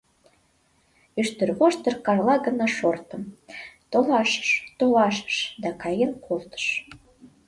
Ӱштервоштыр-Карла гына шорто: «Толашыш, толашыш да каен колтыш!».